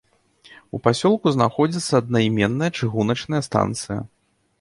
У пасёлку знаходзіцца аднаіменная чыгуначная станцыя.